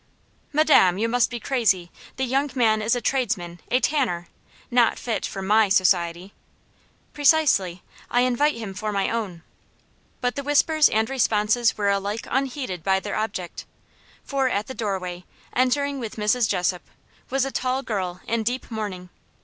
"Madam, you must be crazy. The young man is a tradesman a tanner. Not fit for MY society." "Precisely; I invite him for my own." But the whispers and responses were alike unheeded by their object. For, at the doorway, entering with Mrs. Jessop, was a tall girl in deep mourning.